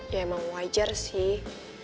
ya emang wajar sih